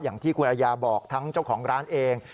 อย่างที่คุณอายาบอกทั้งเจ้าของร้านเอง